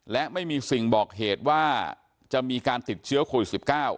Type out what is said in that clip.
และไม่มีสิ่งบอกเหตุว่าจะมีการติดเชื้อโควิด๑๙